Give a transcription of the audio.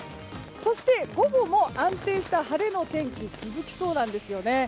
そして、午後も安定した晴れの天気が続きそうですね。